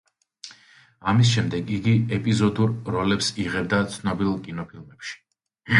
ამის შემდეგ იგი ეპიზოდურ როლებს იღებდა ცნობილ კინოფილმებში.